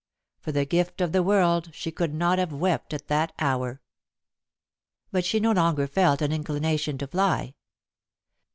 For the gift of the world she could not have wept at that hour. But she no longer felt an inclination to fly.